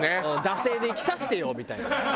惰性で生きさせてよ！みたいな。